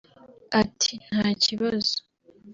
Ati “Nta kibazo